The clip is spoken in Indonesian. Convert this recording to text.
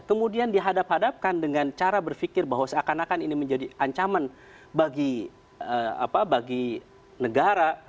kemudian dihadap hadapkan dengan cara berpikir bahwa seakan akan ini menjadi ancaman bagi negara